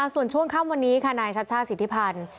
ส่วนช่วงข้ามวันนี้คานายชาชาศิษฐิพันธ์